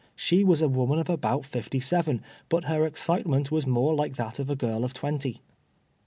She was a woman of about fifty seven, but her excitement was more like that of a girl of twenty.